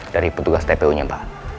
dari petugas tpu nya pak